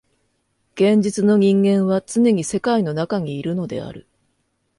現実の人間はつねに世界の中にいるのである。